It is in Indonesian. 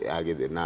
nah usulan ini kan